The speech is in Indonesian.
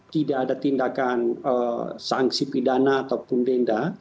tidak ada tindakan sanksi pidana ataupun denda